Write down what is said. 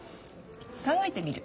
考えてみる。